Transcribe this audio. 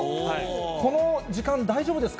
この時間、大丈夫ですか？